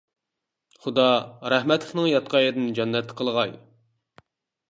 خۇدا، رەھمەتلىكنىڭ ياتقان يېرىنى جەننەتتە قىلغاي!